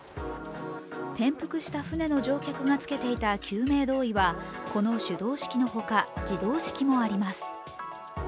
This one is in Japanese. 転覆した舟の乗客が着けていた救命胴衣はこの手動式のほか、自動式もあります。